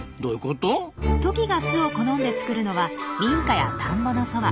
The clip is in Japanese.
トキが巣を好んで作るのは民家や田んぼのそば。